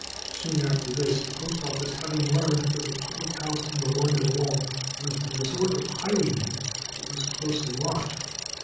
Soon after this, the post office having learned that the public house in the London Wall was the resort of highwaymen, it was closely watched.